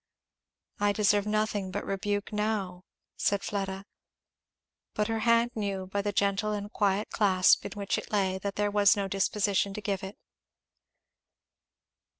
"I deserve nothing but rebuke now," said Fleda. But her hand knew, by the gentle and quiet clasp in which it lay, that there was no disposition to give it.